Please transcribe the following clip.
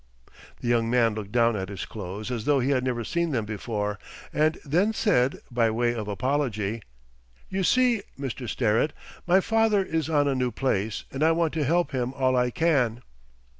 The young man looked down at his clothes as though he had never seen them before, and then said, by way of apology: "You see, Mr. Sterrett, my father is on a new place, and I want to help him all I can."